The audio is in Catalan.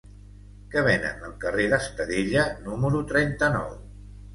Què venen al carrer d'Estadella número trenta-nou?